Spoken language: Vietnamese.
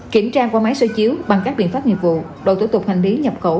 kiểm tra qua máy xoay chiếu bằng các biện pháp nghiệp vụ đội tổ tục hành lý nhập khẩu